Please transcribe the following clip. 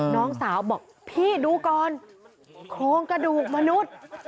น้องสาวบอกพี่ดูก่อนโครงกระดูกมนุษย์